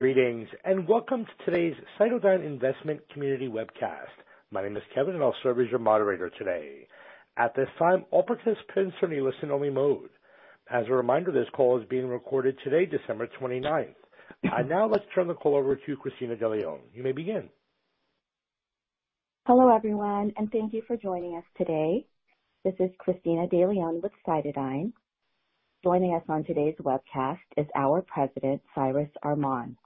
Greetings, welcome to today's CytoDyn Investment Community Webcast. My name is Kevin, and I'll serve as your moderator today. At this time, all participants are in listen only mode. As a reminder, this call is being recorded today, December 29th. I'd now like to turn the call over to Christina De Leon. You may begin. Hello, everyone, and thank you for joining us today. This is Christina De Leon with CytoDyn. Joining us on today's webcast is our President, Cyrus Arman.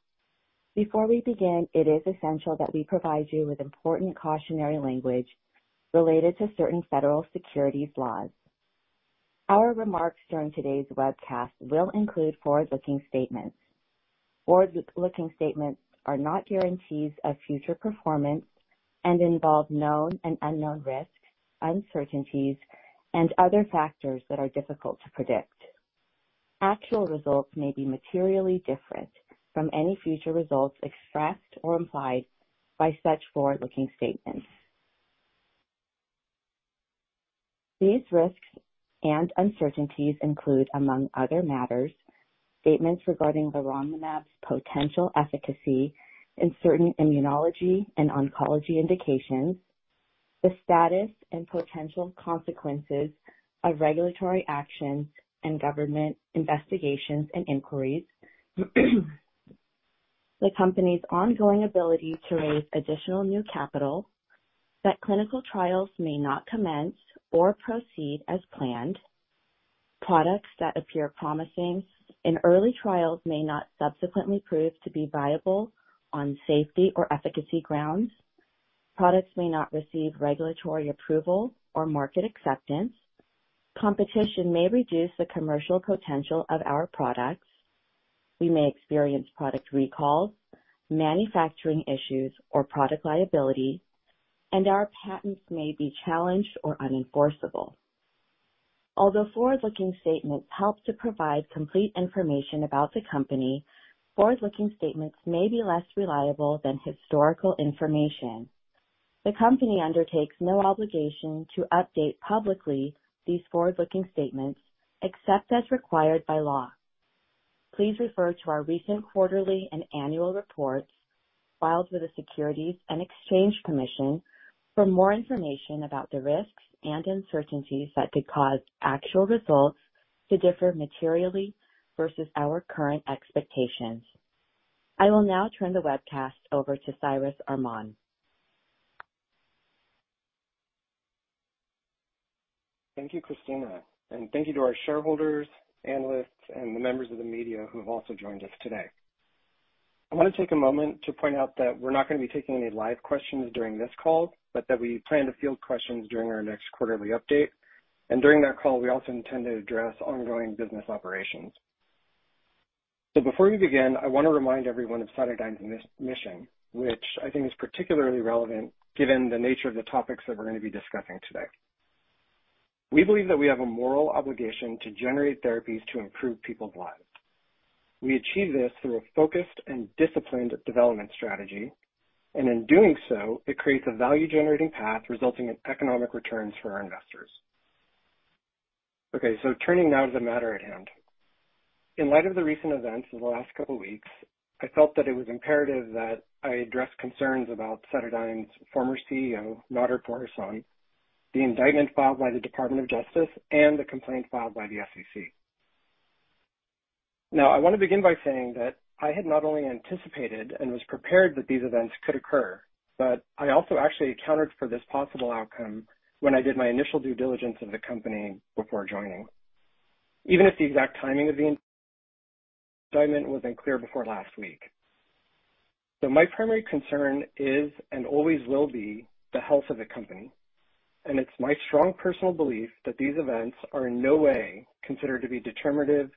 Before we begin, it is essential that we provide you with important cautionary language related to certain federal securities laws. Our remarks during today's webcast will include forward-looking statements. Forward-looking statements are not guarantees of future performance and involve known and unknown risks, uncertainties, and other factors that are difficult to predict. Actual results may be materially different from any future results expressed or implied by such forward-looking statements. These risks and uncertainties include, among other matters, statements regarding the leronlimab's potential efficacy in certain immunology and oncology indications, the status and potential consequences of regulatory actions and government investigations and inquiries, the company's ongoing ability to raise additional new capital that clinical trials may not commence or proceed as planned. Products that appear promising in early trials may not subsequently prove to be viable on safety or efficacy grounds. Products may not receive regulatory approval or market acceptance. Competition may reduce the commercial potential of our products. We may experience product recalls, manufacturing issues or product liability, and our patents may be challenged or unenforceable. Although forward-looking statements help to provide complete information about the company, forward-looking statements may be less reliable than historical information. The company undertakes no obligation to update publicly these forward-looking statements except as required by law. Please refer to our recent quarterly and annual reports filed with the Securities and Exchange Commission for more information about the risks and uncertainties that could cause actual results to differ materially versus our current expectations. I will now turn the webcast over to Cyrus Arman. Thank you, Christina, and thank you to our shareholders, analysts, and the members of the media who have also joined us today. I want to take a moment to point out that we're not going to be taking any live questions during this call, but that we plan to field questions during our next quarterly update. During that call, we also intend to address ongoing business operations. Before we begin, I want to remind everyone of CytoDyn's mission, which I think is particularly relevant given the nature of the topics that we're going to be discussing today. We believe that we have a moral obligation to generate therapies to improve people's lives. We achieve this through a focused and disciplined development strategy, and in doing so, it creates a value generating path resulting in economic returns for our investors. Okay, turning now to the matter at hand. In light of the recent events of the last couple weeks, I felt that it was imperative that I address concerns about CytoDyn's former CEO, Nader Pourhassan, the indictment filed by the Department of Justice, and the complaint filed by the SEC. I want to begin by saying that I had not only anticipated and was prepared that these events could occur, but I also actually accounted for this possible outcome when I did my initial due diligence of the company before joining, even if the exact timing of the indictment was unclear before last week. My primary concern is, and always will be, the health of the company. It's my strong personal belief that these events are in no way considered to be determinative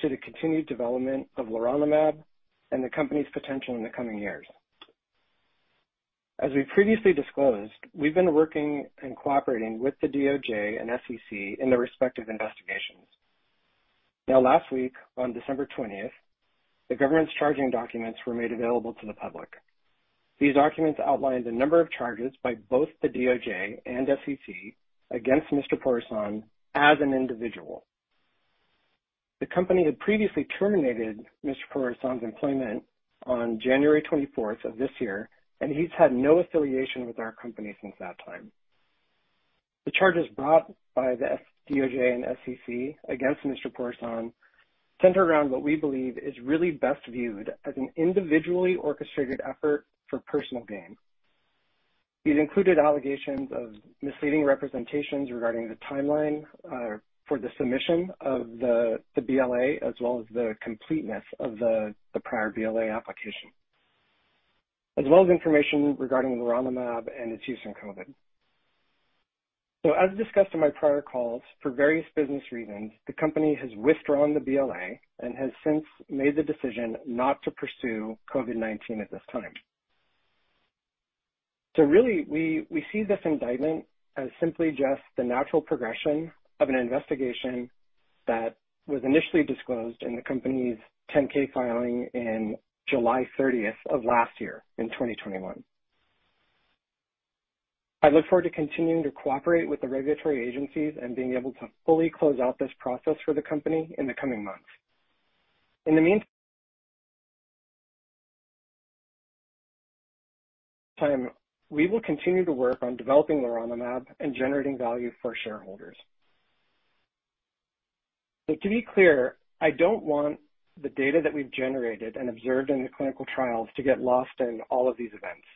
to the continued development of leronlimab and the company's potential in the coming years. As we previously disclosed, we've been working and cooperating with the DOJ and SEC in their respective investigations. Last week, on December 20th, the government's charging documents were made available to the public. These documents outlined a number of charges by both the DOJ and SEC against Mr. Pourhassan as an individual. The company had previously terminated Mr. Pourhassan's employment on January 24th of this year, and he's had no affiliation with our company since that time. The charges brought by the DOJ and SEC against Mr. Pourhassan center around what we believe is really best viewed as an individually orchestrated effort for personal gain. These included allegations of misleading representations regarding the timeline for the submission of the BLA, as well as the completeness of the prior BLA application, as well as information regarding leronlimab and its use in COVID. As discussed in my prior calls, for various business reasons, the company has withdrawn the BLA and has since made the decision not to pursue COVID-19 at this time. Really, we see this indictment as simply just the natural progression of an investigation that was initially disclosed in the company's 10-K filing in July 30th of last year, in 2021. I look forward to continuing to cooperate with the regulatory agencies and being able to fully close out this process for the company in the coming months. In the meantime, we will continue to work on developing leronlimab and generating value for shareholders. To be clear, I don't want the data that we've generated and observed in the clinical trials to get lost in all of these events.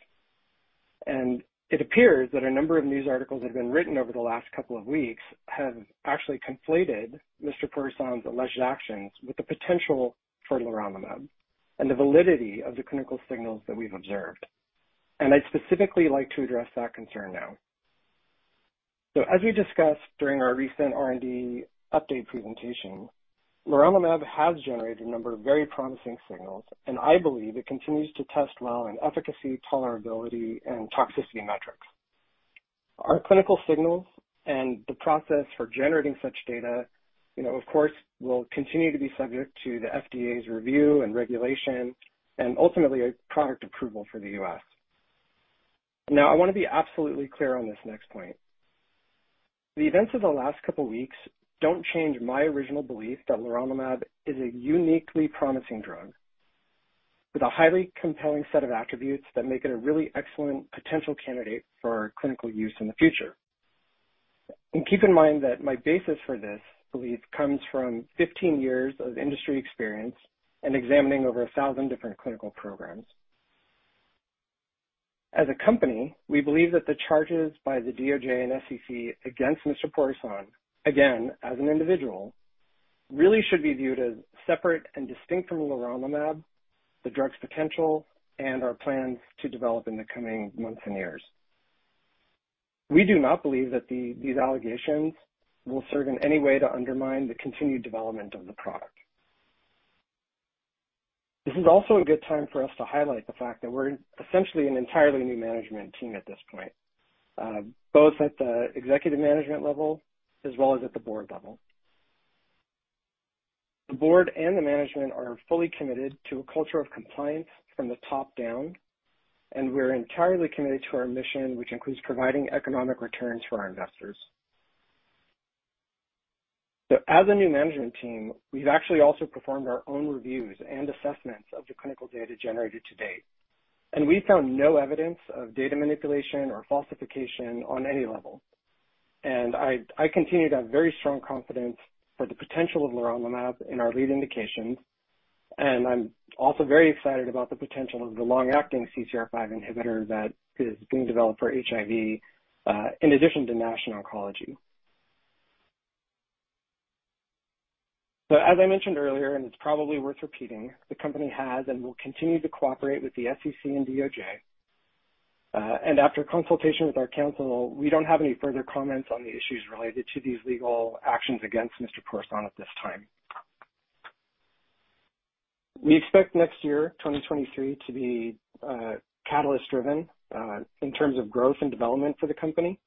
It appears that a number of news articles that have been written over the last couple of weeks have actually conflated Mr. Pourhassan's alleged actions with the potential for leronlimab and the validity of the clinical signals that we've observed. I'd specifically like to address that concern now. As we discussed during our recent R&D update presentation, leronlimab has generated a number of very promising signals, and I believe it continues to test well in efficacy, tolerability, and toxicity metrics. Our clinical signals and the process for generating such data, you know, of course, will continue to be subject to the FDA's review and regulation and ultimately a product approval for the U.S. I wanna be absolutely clear on this next point. The events of the last couple weeks don't change my original belief that leronlimab is a uniquely promising drug with a highly compelling set of attributes that make it a really excellent potential candidate for clinical use in the future. Keep in mind that my basis for this belief comes from 15 years of industry experience and examining over 1,000 different clinical programs. As a company, we believe that the charges by the DOJ and SEC against Mr. Pourhassan, again, as an individual, really should be viewed as separate and distinct from leronlimab, the drug's potential, and our plans to develop in the coming months and years. We do not believe that these allegations will serve in any way to undermine the continued development of the product. This is also a good time for us to highlight the fact that we're essentially an entirely new management team at this point, both at the executive management level as well as at the board level. The board and the management are fully committed to a culture of compliance from the top down, and we're entirely committed to our mission, which includes providing economic returns for our investors. As a new management team, we've actually also performed our own reviews and assessments of the clinical data generated to date, and we found no evidence of data manipulation or falsification on any level. I continue to have very strong confidence for the potential of leronlimab in our lead indications, and I'm also very excited about the potential of the long-acting CCR5 inhibitor that is being developed for HIV, in addition to NASH and oncology. As I mentioned earlier, and it's probably worth repeating, the company has and will continue to cooperate with the SEC and DOJ. After consultation with our counsel, we don't have any further comments on the issues related to these legal actions against Mr. Pourhassan at this time. We expect next year, 2023, to be catalyst driven in terms of growth and development for the company,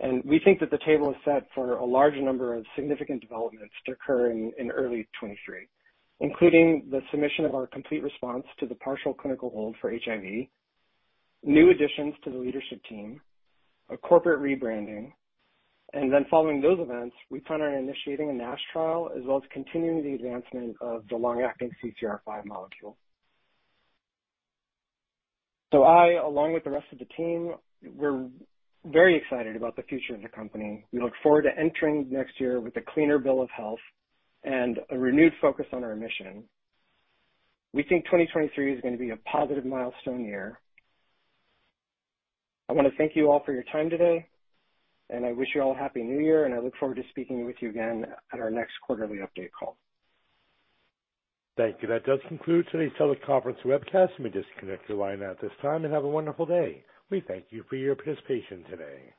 and we think that the table is set for a large number of significant developments to occur in early 2023, including the submission of our complete response to the partial clinical hold for HIV, new additions to the leadership team, a corporate rebranding, and then following those events, we plan on initiating a NASH trial as well as continuing the advancement of the long-acting CCR5 molecule. I, along with the rest of the team, we're very excited about the future of the company. We look forward to entering next year with a cleaner bill of health and a renewed focus on our mission. We think 2023 is gonna be a positive milestone year. I wanna thank you all for your time today, and I wish you all a happy New Year, and I look forward to speaking with you again at our next quarterly update call. Thank you. That does conclude today's teleconference webcast. You may disconnect your line at this time, and have a wonderful day. We thank you for your participation today.